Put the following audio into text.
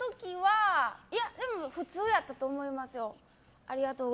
普通やったと思いますよ。